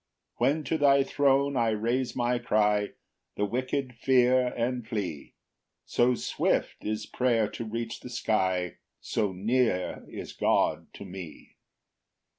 7 When to thy throne I raise my cry The wicked fear and flee; So swift is prayer to reach the sky, So near is God to me.